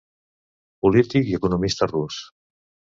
Polític i economista rus.